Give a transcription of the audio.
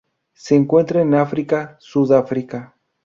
Se encuentran en África: Sudáfrica.